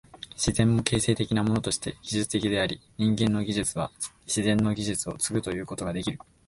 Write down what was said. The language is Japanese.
自然も形成的なものとして技術的であり、人間の技術は自然の技術を継ぐということができる。